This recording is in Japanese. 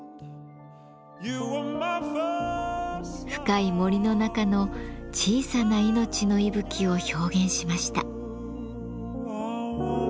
深い森の中の小さな命の息吹を表現しました。